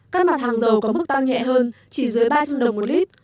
các mặt hàng dầu có mức tăng nhẹ hơn chỉ dưới ba trăm linh đồng một lít